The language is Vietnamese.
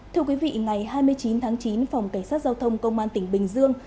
thưa quý vị ngày hai mươi chín tháng chín phòng cảnh sát giao thông công an tỉnh bình dương